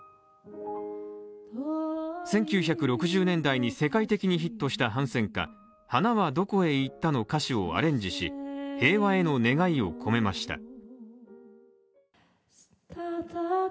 １９６０年代に世界的にヒットした反戦歌「花はどこへ行った」の歌詞をアレンジし平和への願いを込めました。